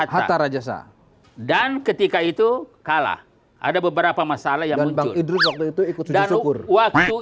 terima kasih dan ketika itu kalah ada beberapa masalah yang muncul waktu itu ikut dan waktu